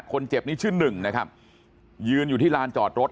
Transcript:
คนเจ็บนี้ชื่อหนึ่งนะครับยืนอยู่ที่ลานจอดรถ